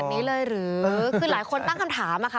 นี้เลยหรือคือหลายคนตั้งคำถามอะค่ะ